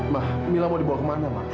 nah mila mau dibawa kemana mah